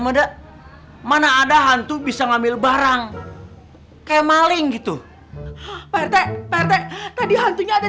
mana mana ada hantu bisa ngambil barang kayak maling gitu pak rt pak rt tadi hantunya ada